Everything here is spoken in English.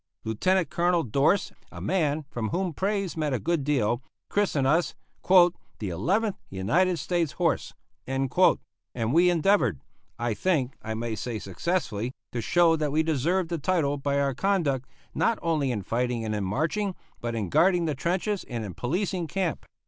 Lieutenant Colonel Dorst, a man from whom praise meant a good deal, christened us "the Eleventh United States Horse," and we endeavored, I think I may say successfully, to show that we deserved the title by our conduct, not only in fighting and in marching, but in guarding the trenches and in policing camp.